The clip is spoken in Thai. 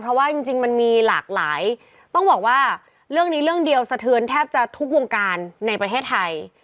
เพราะว่าจริงมันมีหลากหลายต้องบอกว่าเรื่องนี้เรื่องเดียวสะเทือนแทบจะทุกวงการในประเทศไทย